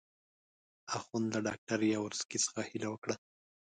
اخند له ډاکټر یاورسکي څخه هیله وکړه.